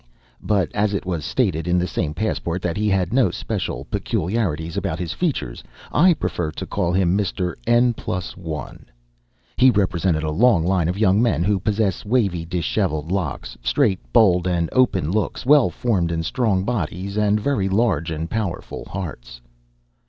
But as it was stated in the same passport that he had no special peculiarities about his features, I prefer to call him Mr. N+1. He represented a long line of young men who possess wavy, dishevelled locks, straight, bold, and open looks, well formed and strong bodies, and very large and powerful hearts.